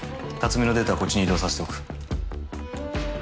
辰巳のデータはこっちに移動させておく。